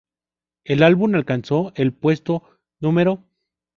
El álbum alcanzó el puesto no.